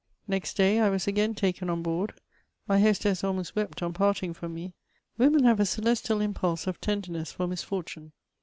Next day I was again taken on board ; my hostess almost wept on parting from me ; women haTe a celestial impulse of tender ness for misfortune.